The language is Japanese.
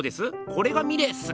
これがミレーっす。